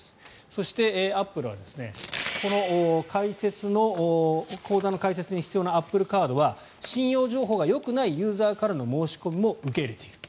そして、アップルはこの口座の開設に必要なアップルカードは信用情報がよくないユーザーからの申し込みも受け入れている。